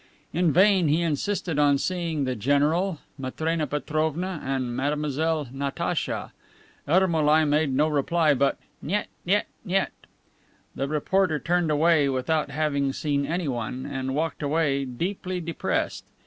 In vain he insisted on seeing the general, Matrena Petrovna and Mademoiselle Natacha. Ermolai made no reply but "Niet, niet, niet." The reporter turned away without having seen anyone, and walked away deeply depressed.